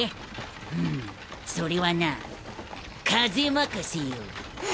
フッそれはな風任せよ。